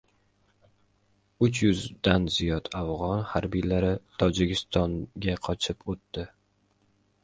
Uch yuzdan ziyod afg‘on harbiylari Tojikistonga qochib o‘tdi